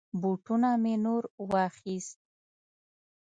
بوټونه می نور واخيست.